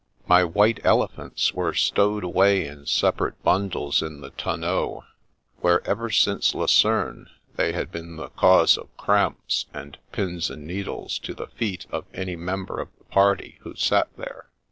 My white elephants were stowed away in separate bundles in the ton neau, where, ever since Lucerne, they had been the cause of cramps and " pins and needles " to the feet of any member of the party who sat there.